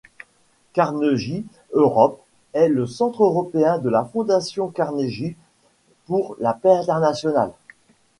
Carnegie Europe est le centre européen de la Fondation Carnegie pour la paix internationale.